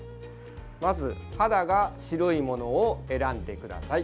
まず肌が白いものを選んでください。